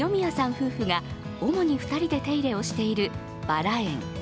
夫婦が主に２人で手入れをしているバラ園